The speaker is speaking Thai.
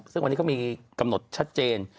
ซึ่งวันนี้เขามีกำหนดชัดเจน